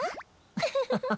ウフフフフ。